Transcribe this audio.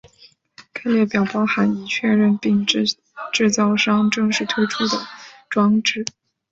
该列表包含已确认并制造商正式推出的装置。